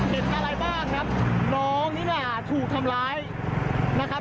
เห็นอะไรบ้างครับน้องนี่น่ะถูกทำร้ายนะครับ